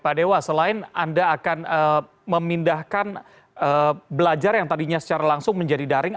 pak dewa selain anda akan memindahkan belajar yang tadinya secara langsung menjadi daring